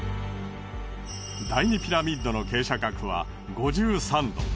第２ピラミッドの傾斜角は５３度。